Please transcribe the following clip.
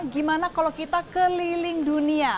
gimana kalau kita keliling dunia